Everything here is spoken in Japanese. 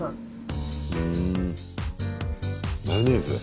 マヨネーズ。